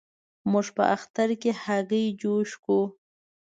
موږ په اختر کې هګی جوش کوو.